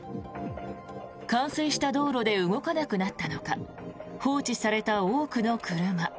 冠水した道路で動かなくなったのか放置された多くの車。